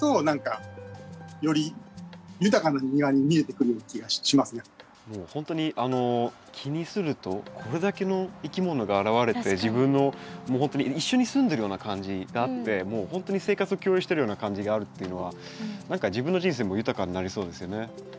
でそこで生きて生活してるほんとに気にするとこれだけのいきものが現れて自分のもうほんとに一緒に住んでるような感じがあってもうほんとに生活を共有してるような感じがあるっていうのは何か自分の人生も豊かになりそうですよね。